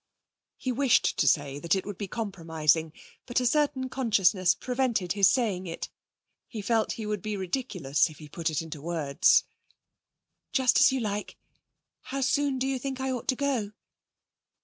He wished to say that it would be compromising, but a certain consciousness prevented his saying it. He felt he would be ridiculous if he put it into words. 'Just as you like. How soon do you think I ought to go?'